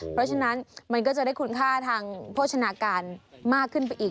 เพราะฉะนั้นมันก็จะได้คุณค่าทางโภชนาการมากขึ้นไปอีก